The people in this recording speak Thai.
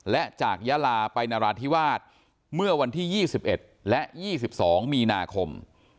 และจากยาลาไปนราธิวาสเมื่อวันที่๒๑และ๒๒มีนาคม